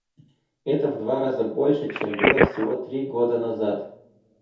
Это в два раза больше, чем было всего три года назад.